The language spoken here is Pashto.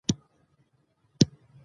اداري پلټنه باید د قانون له مخې وي.